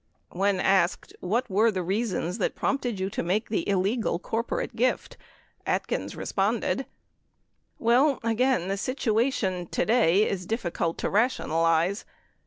40 When asked, "What were the reasons that prompted you to make the illegal corporate gift?" Atkins responded: Well, again the situation today is diflicult to rationalize.